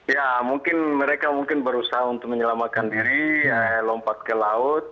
ya mungkin mereka mungkin berusaha untuk menyelamatkan diri lompat ke laut